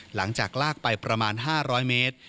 หลังจากลากไปประมาณ๕๐๐เมตร